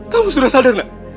kamu sudah sadar nak